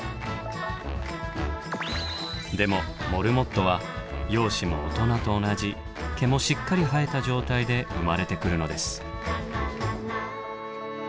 でもモルモットは容姿も大人と同じ毛もしっかり生えた状態で生まれてくるのです。